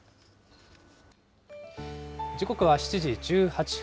時刻は７時１８分。